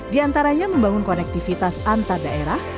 diantaranya membangun konektivitas antar daerah